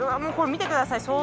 見てください。